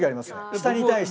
下に対して。